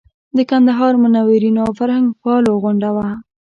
د کندهار منورینو او فرهنګپالو غونډه وه.